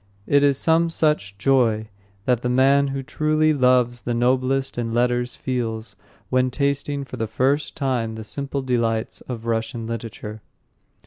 It is some such joy that the man who truly loves the noblest in letters feels when tasting for the first time the simple delights of Russian literature.